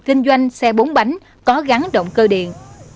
kinh doanh xe bốn bánh có gắn động cơ điện